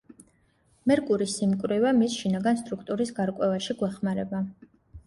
მერკურის სიმკვრივე მის შინაგან სტრუქტურის გარკვევაში გვეხმარება.